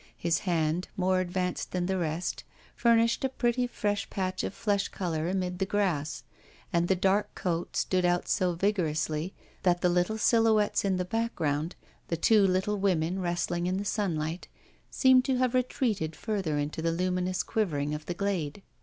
His hand, more advanced than the rest, furnished a pretty fresh patch of flesh colour amid the grass, and the dark coat stood out so vigorously that the little silhouettes in the background, the two little women wrestling in the sunlight, seemed to have retreated further into the luminous quivering of the glade.